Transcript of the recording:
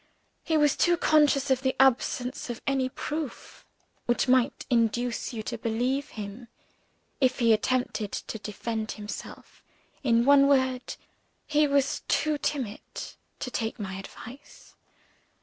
He was too conscious of the absence of any proof which might induce you to believe him, if he attempted to defend himself in one word, he was too timid to take my advice.